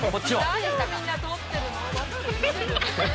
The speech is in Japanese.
誰をみんな撮っているの？